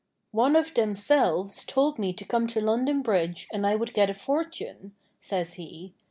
'One of Themselves told me to come to London Bridge and I would get a fortune,' says he.